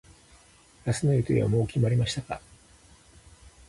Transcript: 明日の予定はもう決まりましたか。